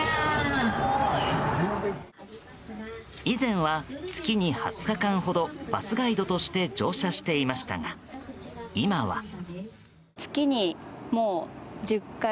以前は、月に２０日間ほどバスガイドとして乗車していましたが、今は。